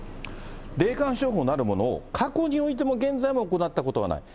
霊感商法なるものを過去においても現在も行ったことはない。